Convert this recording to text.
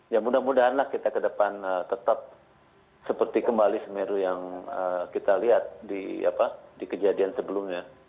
ya mudah mudahanlah kita ke depan tetap seperti kembali semeru yang kita lihat di kejadian sebelumnya